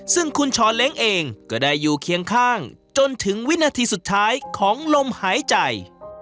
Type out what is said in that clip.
ซึ่งคุณช้อนเล้งเองก็ได้อยู่เคียงข้างจนถึงวินาทีสุดท้ายของลมหายใจ